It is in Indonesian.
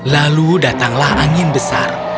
lalu datanglah angin besar